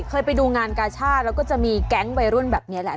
เคยไปดูงานกาชาติแล้วก็จะมีแก๊งวัยรุ่นแบบนี้แหละ